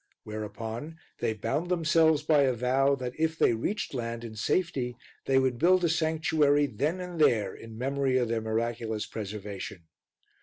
Whereupon they bound themselves by a vow that if they reached land in safety they would build a sanctuary then and there in memory of their miraculous preservation.